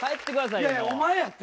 いやいやお前やって。